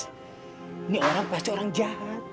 ini orang pasti orang jahat